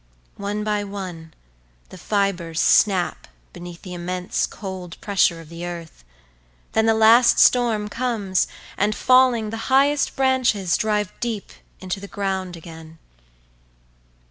… One by one the fibres snap beneath the immense cold pressure of the earth, then the last storm comes and, falling, the highest branches drive deep into the ground again.